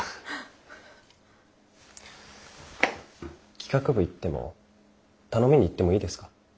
企画部行っても頼みに行ってもいいですか？